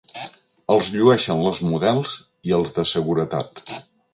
Els llueixen les models i els de seguretat.